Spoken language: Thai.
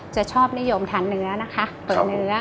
จะชอบนิยมทานเนื้อนะคะเปิดเนื้อ